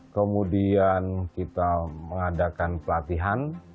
kemudian kita mengadakan pelatihan